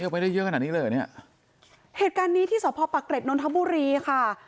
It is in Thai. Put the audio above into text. ไปได้เยอะขนาดนี้เลยเหรอเนี้ยเหตุการณ์นี้ที่สพปะเกร็ดนนทบุรีค่ะ